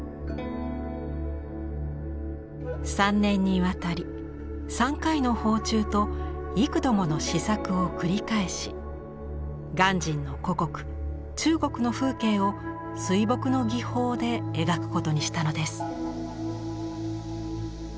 ３年にわたり３回の訪中と幾度もの試作を繰り返し鑑真の故国中国の風景を水墨の技法で描くことにしたのです。